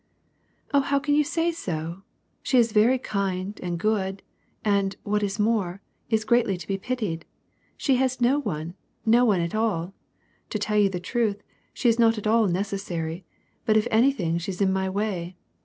" Oh how can you say so ? She is very kind and good, and, what is more, is greatly to be pitied. She has no one, no one at all. To tell you the truth, she is not at all necessary, but if anything she's in my way.